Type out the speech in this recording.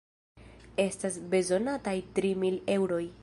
Estas bezonataj tri mil eŭroj.